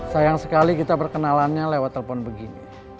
sayang sekali kita perkenalannya lewat telepon begini